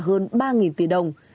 hơn ba tỷ đồng